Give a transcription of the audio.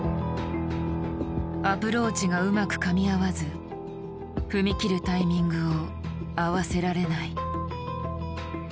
アプローチがうまくかみ合わず踏み切るタイミングを合わせられない。